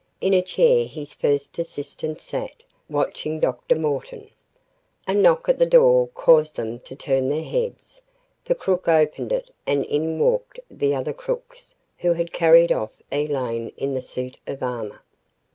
In a chair his first assistant sat, watching Dr. Morton. A knock at the door caused them to turn their heads. The crook opened it and in walked the other crooks who had carried off Elaine in the suit of armor.